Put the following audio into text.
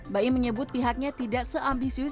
baim menyebut pihaknya tidak seambisius